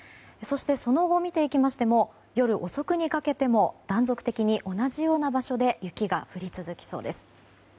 そして、その後を見ましても夜遅くにかけても断続的に同じような場所で雪が降り続きそうです。